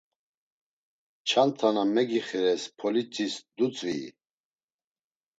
Çanta na megixires politzis dutzvii?